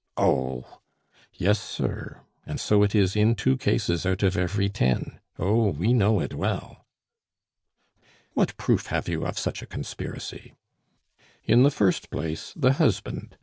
"Oh! " "Yes, sir, and so it is in two cases out of every ten. Oh! we know it well." "What proof have you of such a conspiracy?" "In the first place, the husband!"